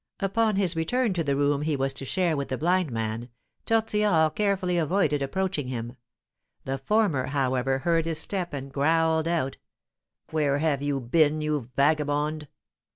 Upon his return to the room he was to share with the blind man, Tortillard carefully avoided approaching him. The former, however, heard his step, and growled out: "Where have you been, you vagabond?"